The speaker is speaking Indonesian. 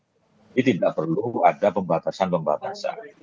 jadi tidak perlu ada pembatasan pembatasan